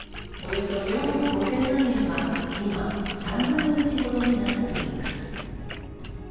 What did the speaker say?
およそ４億５０００万円は今、３分の１ほどになったといいます。